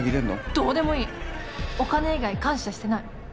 どうでもいいお金以外感謝してない。